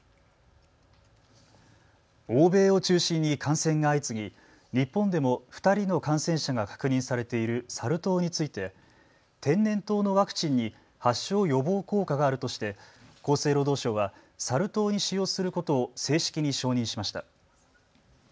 欧米を中心に感染が相次ぎ日本でも２人の感染者が確認されているサル痘について天然痘のワクチンに発症予防効果があるとして厚生労働省はサル痘に使用することを正式に承認しました。